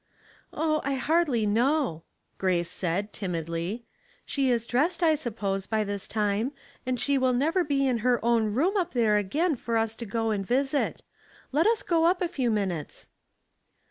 " Oh, I hardly know," Grace said, timidly. " She is dressed, I suppose, by this time, and she will never be in her own room up there again for us to go and visit. Let us go up a few minutes."